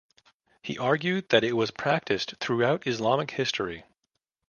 He argued that it was practiced throughout Islamic history.